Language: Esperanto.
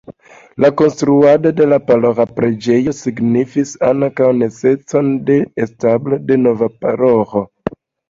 La konstruado de la paroĥa preĝejo signifis ankaŭ neceson de establo de nova paroĥo.